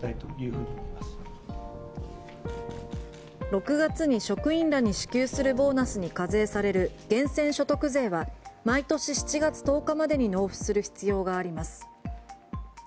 ６月に職員らに支給するボーナスに課税される源泉所得税は毎年７月１０日までに納付する必要があります。